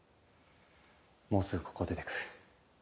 もうすぐここを出てく。